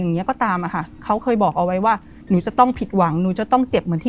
อย่างนี้ก็ตามอะค่ะเขาเคยบอกเอาไว้ว่าหนูจะต้องผิดหวังหนูจะต้องเจ็บเหมือนที่